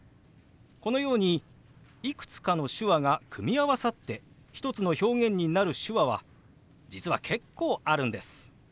このようにいくつかの手話が組み合わさって一つの表現になる手話は実は結構あるんです。